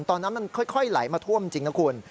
ตอนนั้นมันค่อยไหลมาท่วมจริงนะคุณ